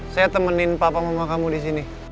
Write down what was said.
saya temenin papa mama kamu disini